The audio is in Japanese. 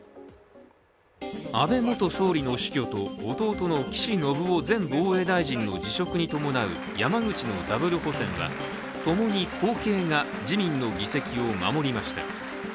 安倍元総理の死去と弟の岸防衛大臣の辞職に伴う山口のダブル補選はともに後継が自民の議席を守りました。